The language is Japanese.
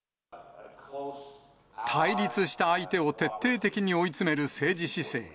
対立した相手を徹底的に追い詰める政治姿勢。